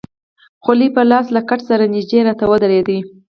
خولۍ په لاس له کټ سره نژدې راته ودرېد.